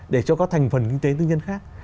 để cho các thành phần kinh tế tự nhiên khác